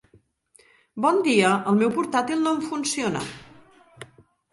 Bon dia, el meu portàtil no em funciona.